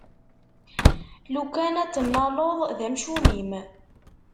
Lukan ad t-tennaleḍ, d amcum-im!